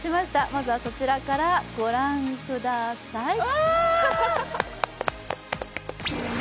まずはそちらからご覧ください。